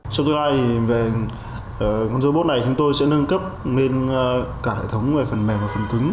trong tương lai về robot này chúng tôi sẽ nâng cấp lên cả hệ thống về phần mềm và phần cứng